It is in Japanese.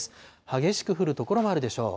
激しく降る所もあるでしょう。